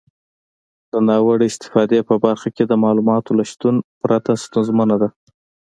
د ناوړه استفادې په برخه کې د معلوماتو له شتون پرته ستونزمنه ده.